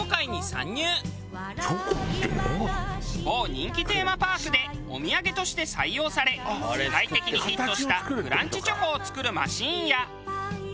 某人気テーマパークでお土産として採用され世界的にヒットしたクランチチョコを作るマシンや。